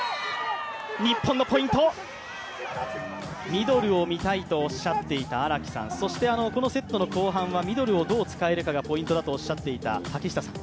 ミドルを見たいとおっしゃっていた荒木さん、そしてこのセットの後半はミドルをどう使えるかがポイントだとおっしゃっていた竹下さん。